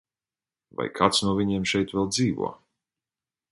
Vai kāds no viņiem šeit vēl dzīvo?